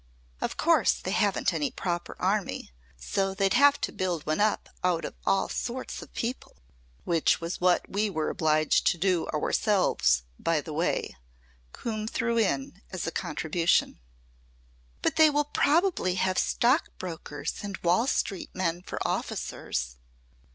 Of course they haven't any proper army, so they'd have to build one up out of all sorts of people." "Which was what we were obliged to do ourselves, by the way," Coombe threw in as a contribution. "But they will probably have stockbrokers and Wall Street men for officers.